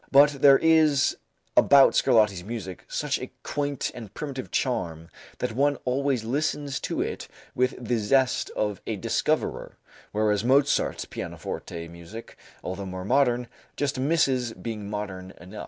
But there is about Scarlatti's music such a quaint and primitive charm that one always listens to it with the zest of a discoverer, whereas Mozart's pianoforte music, although more modern, just misses being modern enough.